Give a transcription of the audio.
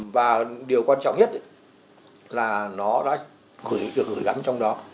và điều quan trọng nhất là nó đã được gửi gắn trong đó